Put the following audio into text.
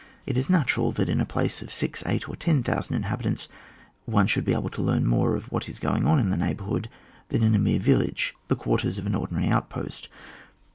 It is natural that in a place of six, eight or ten thousand inhabitants, one should be able to learn more of what is going on in the neighbourhood than in a mere village, the quarters of an ordinary out post.